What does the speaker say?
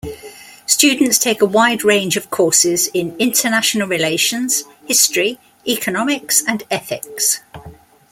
Students take a wide range of courses in international relations, history, economics, and ethics.